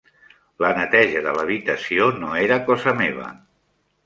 La neteja de l'habitació no era cosa meva.